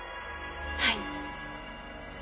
はい。